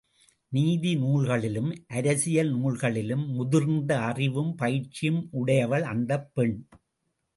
நீதி நூல்களிலும் அரசியல் நூல்களிலும் முதிர்ந்த அறிவும் பயிற்சியும் உடையவள் அந்தப் பெண்.